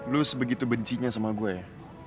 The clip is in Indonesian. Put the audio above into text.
lo sebegitu bencinya sama gue ya